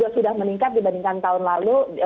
sudah meningkat dibandingkan tahun lalu